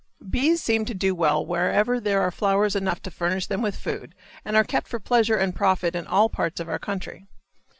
Bees seem to do well wherever there are flowers enough to furnish them with food, and are kept for pleasure and profit in all parts of our country.